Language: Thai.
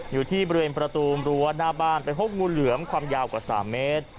อยู่ที่บริเวณประตูรั้วหน้าบ้านไปพบงูเหลือมความยาวกว่า๓เมตร